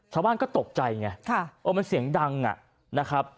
ชาวบ้านก็ตกใจไงเออมันเสียงดังนะครับ